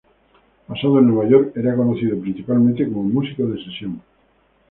Basado en Nueva York, era conocido principalmente como músico de sesión.